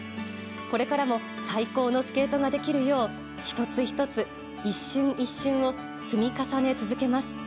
これからも最高のスケートができるよう１つ１つ、一瞬一瞬を積み重ね続けます。